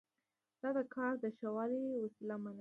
دا د کار د ښه والي وسیله ومني.